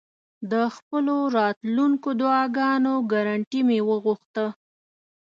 د خپلو راتلونکو دعاګانو ګرنټي مې وغوښته.